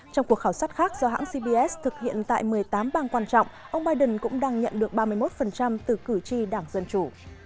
trong cuộc khảo sát khác do hãng cbs thực hiện tại một mươi tám bang quan trọng ông biden cũng đang nhận được ba mươi một từ cử tri đảng dân chủ